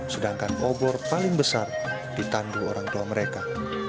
sedangkan obor paling besar ditandu orang tua mereka